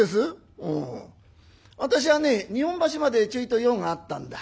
「おお私はね日本橋までちょいと用があったんだ。